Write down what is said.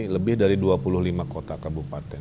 lebih dari dua puluh lima kota kabupaten